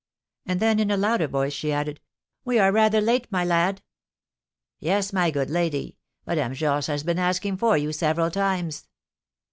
And then, in a louder voice, she added, "We are rather late, my lad." "Yes, my good lady, Madame Georges has been asking for you several times."